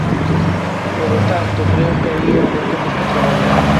Polo tanto, creo que aí é onde temos que traballar.